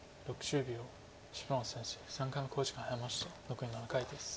残り７回です。